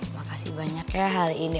makasih banyak ya hari ini